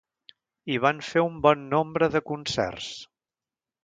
I van fer un bon nombre de concerts.